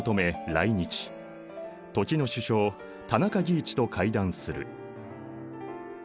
時の首相田中義一と会談する。